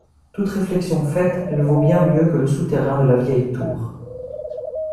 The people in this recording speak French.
Toute réflexion faite, elle vaut bien mieux que le souterrain de la vieille tour…